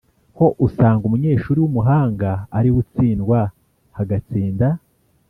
ho usanga umunyeshuri w’umuhanga ari we utsindwa hagatsinda